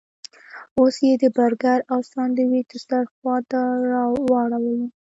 اوس یې د برګر او ساندویچ دسترخوان ته واړولو.